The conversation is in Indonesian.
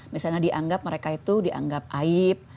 misalnya dianggap mereka itu dianggap aib